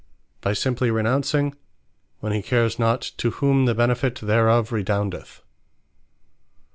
By Simply RENOUNCING; when he cares not to whom the benefit thereof redoundeth.